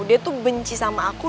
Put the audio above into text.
dia tuh benci sama aku